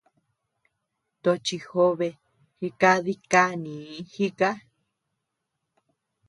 Tochi jobe jikadi kanii jika.